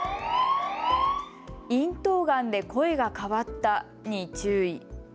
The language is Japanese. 咽頭がんで声が変わったに注意。